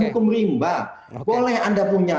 hukum rimba boleh anda punya